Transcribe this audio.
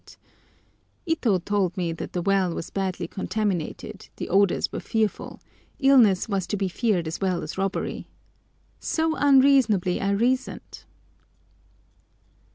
Ito told me that the well was badly contaminated, the odours were fearful; illness was to be feared as well as robbery! So unreasonably I reasoned!